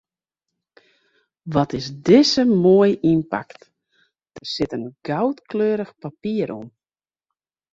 Wat is dizze moai ynpakt, der sit in goudkleurich papier om.